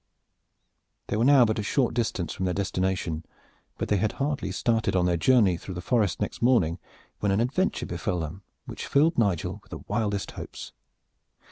They were now but a short distance from their destination; but they had hardly started on their journey through the forest next morning, when an adventure befell them which filled Nigel with the wildest hopes.